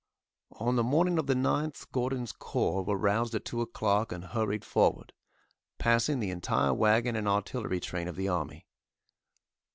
On the morning of the 9th Gordon's corps were aroused at 2 o'clock and hurried forward, passing the entire wagon and artillery train of the army.